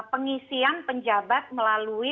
pengisian penjabat melalui